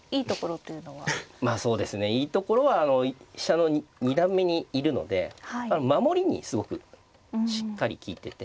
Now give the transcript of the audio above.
まあそうですねいいところは飛車の二段目にいるので守りにすごくしっかり利いてて。